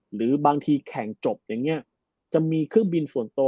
หรือบางทีแข่งจบอย่างนี้จะมีเครื่องบินส่วนตัว